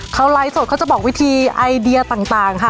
เขาไลฟ์สดเขาจะบอกวิธีไอเดียต่างค่ะ